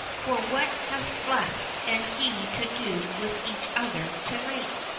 For what have sleep and he to do with each other to night?